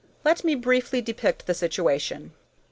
Let me briefly depict the situation.